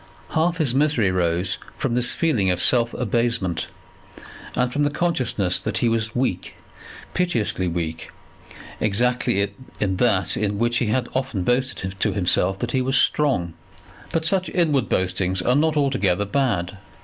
Half his misery rose from this feeling of self abasement, and from the consciousness that he was weak, piteously weak, exactly in that in which he had often boasted to himself that he was strong. But such inward boastings are not altogether bad.